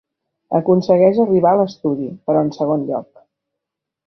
Aconsegueix arribar a l'estudi, però en segon lloc.